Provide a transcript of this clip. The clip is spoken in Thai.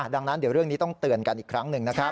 ดังนั้นเดี๋ยวเรื่องนี้ต้องเตือนกันอีกครั้งหนึ่งนะครับ